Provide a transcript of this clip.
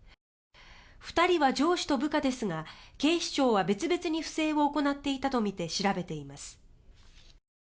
２人は上司と部下ですが警視庁は別々に不正を行っていたとみて調べています。